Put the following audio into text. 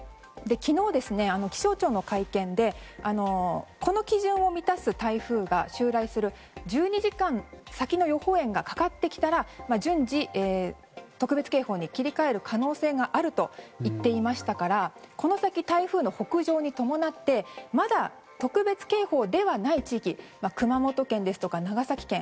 昨日、気象庁の会見でこの基準を満たす台風が襲来する１２時間先の予報円がかかってきたら順次、特別警報に切り替える可能性があると言っていましたからこの先、台風の北上に伴ってまだ特別警報ではない地域熊本県ですとか長崎県